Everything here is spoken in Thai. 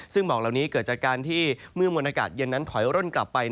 ซึ่งหมอกเหล่านี้เกิดจากการที่เมื่อมวลอากาศเย็นนั้นถอยร่นกลับไป